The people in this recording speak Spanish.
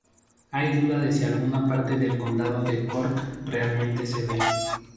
Hay duda de si alguna parte del condado de Cork realmente se ve.